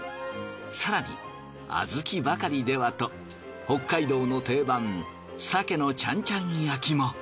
更に小豆ばかりではと北海道の定番鮭のちゃんちゃん焼きも。